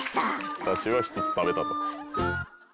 私は１つ食べたと。